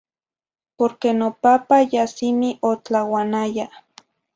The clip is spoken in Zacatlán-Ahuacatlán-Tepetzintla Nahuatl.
Porque nopapa ya simi otlauanaya.